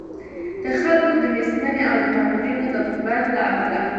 د خلکو د نېستمنۍ او د مامورینو د غبن له امله.